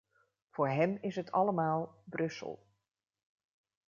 Voor hem is het allemaal "Brussel".